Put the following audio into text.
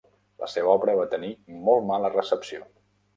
La seva obra va tenir molt mala recepció.